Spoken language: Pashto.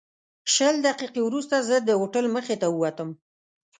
شل دقیقې وروسته زه د هوټل مخې ته ووتم.